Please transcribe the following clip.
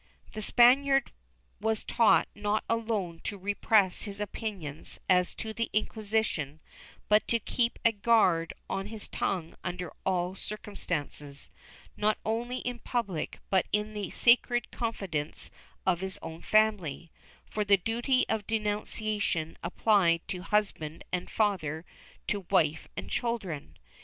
The Spaniard was taught not alone to repress his opinions as to the Inquisition but to keep a guard on his tongue under all circumstances, not only in public but in the sacred confidence of his own family, for the duty of denunciation applied to husband and father, to wife and children.